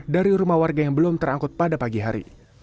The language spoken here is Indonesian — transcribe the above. dari rumah warga yang belum terangkut pada pagi hari